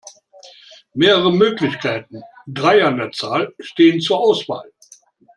Mehrere Möglichkeiten, drei an der Zahl, stehen zur Auswahl.